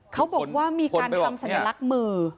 เขาบอกว่ามีการทำสัญลักษณ์มือ